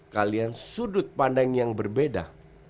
kalian sudut pandang yang berbeda